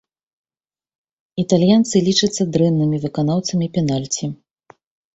Італьянцы лічацца дрэннымі выканаўцамі пенальці.